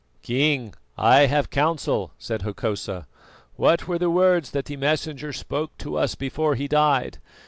"King, I have counsel," said Hokosa. "What were the words that the Messenger spoke to us before he died?